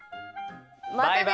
またね！